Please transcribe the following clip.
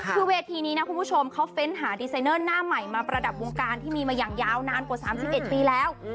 คือเวทีนี้นะคุณผู้ชมเขาเฟ้นหาดีไซเนอร์หน้าใหม่มาประดับวงการที่มีมาอย่างยาวนานกว่า๓๑ปีแล้ว